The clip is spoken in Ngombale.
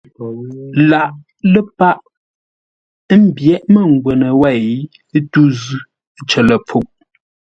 Laghʼ ləpâʼ ḿbyéʼ mə́ngwə́nə wêi tû zʉ́ cər ləpfuʼ.